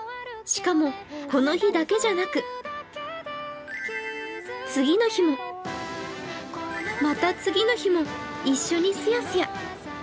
しかもこの日だけじゃなく次の日も、また次の日も一緒にスヤスヤ。